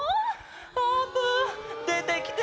あーぷんでてきて。